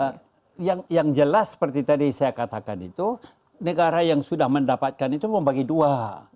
nah yang jelas seperti tadi saya katakan itu negara yang sudah mendapatkan itu membagi dua